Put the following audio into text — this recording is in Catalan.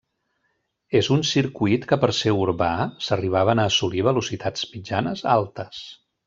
És un circuit que per ser urbà, s'arribaven a assolir velocitats mitjanes altes.